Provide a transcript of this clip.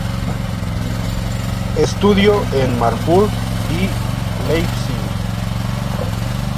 Estudió en Marburg y Leipzig.